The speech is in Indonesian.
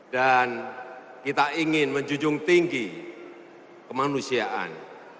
dan kita ingin menjunjung tinggi kemanusiaan